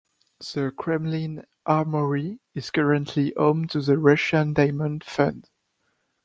The Kremlin Armoury is currently home to the Russian Diamond Fund.